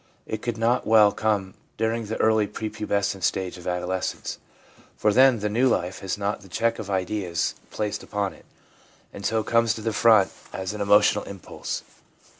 It could not well come during the early pre pubescent stage of adolescence ; for then the new life has not the check of ideas placed upon it, and so comes to the front as an emotional impulse.